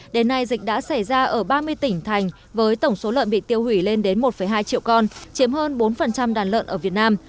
đến nay dịch đã xảy ra ở ba mươi tỉnh thành với tổng số lợn bị tiêu hủy lên đến một hai triệu con chiếm hơn bốn đàn lợn ở việt nam